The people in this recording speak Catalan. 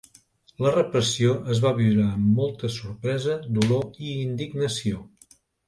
La repressió es va viure amb molta sorpresa, dolor i indignació.